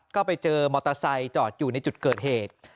ก็ไปเจอมอเตอร์ไซค์จอดอยู่ในจุดเกิดเหตุ